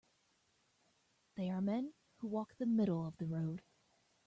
They are men who walk the middle of the road.